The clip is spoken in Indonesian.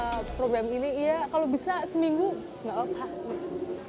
karena kan program ini kalau bisa seminggu nggak apa apa